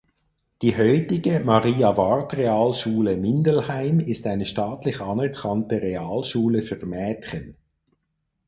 Die heutige Maria-Ward-Realschule Mindelheim ist eine staatlich anerkannte Realschule für Mädchen.